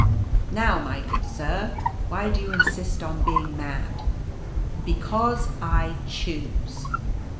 u ' Now, my good sir, why do you insist on being mad?' " c Because I choose.'